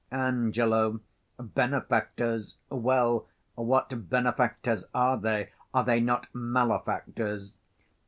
Ang. Benefactors? Well; what benefactors are they? 50 are they not malefactors?